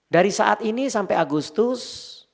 dari saat ini sampai agustus